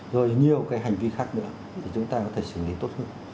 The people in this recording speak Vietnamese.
rồi nhiều cái hành vi khác nữa để chúng ta có thể xử lý tốt hơn